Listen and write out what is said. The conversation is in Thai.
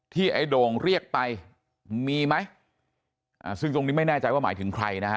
ไอ้โด่งเรียกไปมีไหมอ่าซึ่งตรงนี้ไม่แน่ใจว่าหมายถึงใครนะฮะ